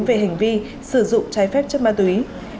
về hành vi sử dụng trái phép chất ma túy